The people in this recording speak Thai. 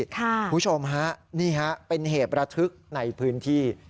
คุณผู้ชมฮะนี่ฮะเป็นเหตุระทึกในพื้นที่